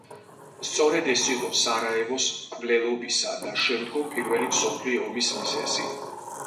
სწორედ ეს იყო სარაევოს მკვლელობისა და შემდგომ, პირველი მსოფლიო ომის მიზეზი.